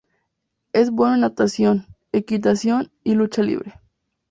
Es bueno en natación, equitación y lucha libre.